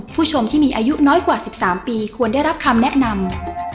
ผู้ชมที่มีอายุน้อยกว่า๑๓ปีควรได้รับคำแนะนำ